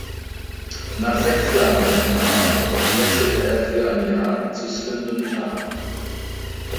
Nach sechs Jahren in Hull wechselte er für ein Jahr zu Swindon Town.